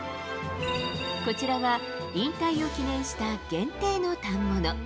こちらは引退を記念した限定の反物。